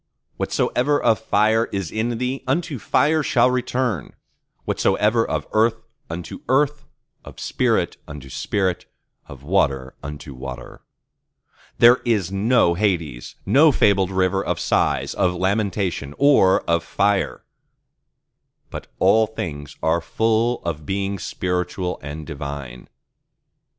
Whatsoever of fire is in thee, unto fire shall return; whatsoever of earth, unto earth; of spirit, unto spirit; of water, unto water. There is no Hades, no fabled rivers of Sighs, of Lamentation, or of Fire: but all things are full of Beings spiritual and divine.